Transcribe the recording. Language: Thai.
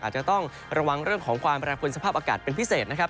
อาจจะต้องระวังเรื่องของความแปรผลสภาพอากาศเป็นพิเศษนะครับ